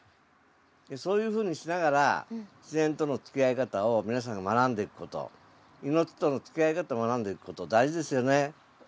そういうふうにしながら自然とのつきあい方を皆さんが学んでいくこと命とのつきあい方を学んでいくこと大事ですよね。